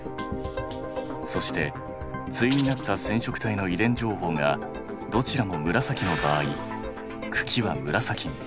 そして対になった染色体の遺伝情報がどちらも紫の場合茎は紫に。